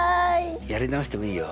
やり直してもいいよ。